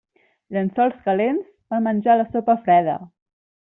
Llençols calents fan menjar la sopa freda.